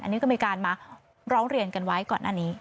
อันนี้ก็มีการมาร้องเรียนกันไว้ก่อนหน้านี้